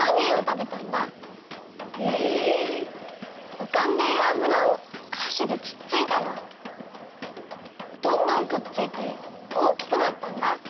うかんでいるあぶらをはしでつっついたらどんどんくっついておおきくなったんだ。